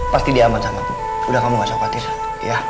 pasti dia aman sama aku udah kamu gak usah khawatir ya